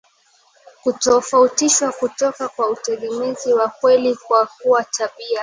kutofautishwa kutoka kwa utegemezi wa kweli kwa kuwa tabia